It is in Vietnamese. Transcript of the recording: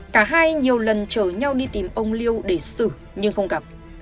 cả hai nhiều lần chở nhau đi tìm ông liêu để xử nhưng không gặp